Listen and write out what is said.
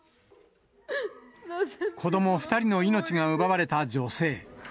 子ども２人の命が奪われた女性。